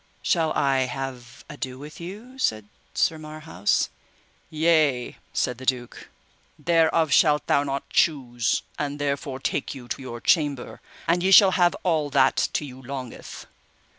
Shall I have ado with you? said Sir Marhaus. Yea, said the duke, thereof shalt thou not choose, and therefore take you to your chamber, and ye shall have all that to you longeth.